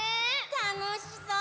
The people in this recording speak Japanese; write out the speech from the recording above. たのしそう！